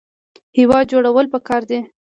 هیواد جوړول پکار دي